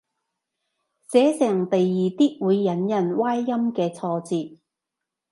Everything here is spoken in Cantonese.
寫成第二啲會引人歪音嘅錯字